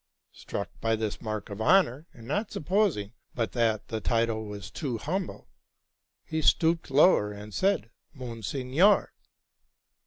'' Struck by this mark of honor, and not supposing but that the title was too humble, he stooped lower, and said, '' Monseigneur.